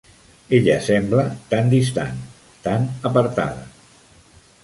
Ella sembla tan distant, tan apartada.